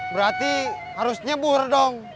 berarti harus nyebur dong